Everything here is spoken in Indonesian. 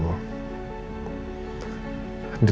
itu rukanya sakit banget ya